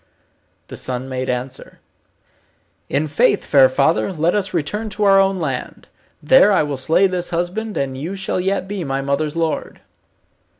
The son made answer, "In faith, fair father, let us return to our own land. There I will slay this husband, and you shall yet be my mother's lord."